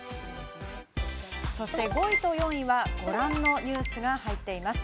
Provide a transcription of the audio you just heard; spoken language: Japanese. そして５位と４位は、ご覧のニュースが入っています。